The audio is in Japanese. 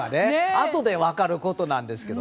あとで分かることなんですけど。